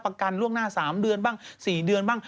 ค่าน้ำแพงก็ต้องจ่ายค่าประกันล่วงหน้า๓เดือนบ้าง๔เดือนบ้าง